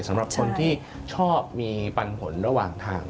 สำหรับคนที่ชอบมีปันผลระหว่างทาง